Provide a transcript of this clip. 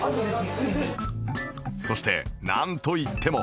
そしてなんといっても